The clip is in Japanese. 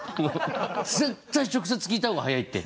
絶対直接聞いた方が早いって！